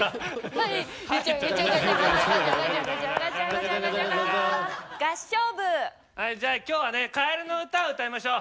はいじゃあ今日はね「かえるのうた」を歌いましょう。